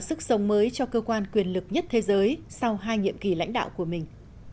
sức sống mới cho cơ quan quyền lực nhất thế giới sau hai nhiệm kỳ lãnh đạo của mình